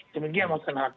kemudian mau kena hak